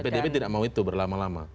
dan pdb tidak mau itu berlama lama